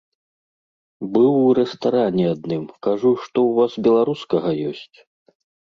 Быў у рэстаране адным, кажу, што ў вас беларускага ёсць?